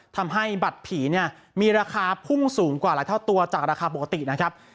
ทำให้บัตรผีเนี่ยมีราคาพุ่งสูงกว่าหลายเท่าตัวจากราคาปกตินะครับ